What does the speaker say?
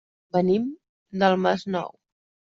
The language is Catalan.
Venim del Masnou.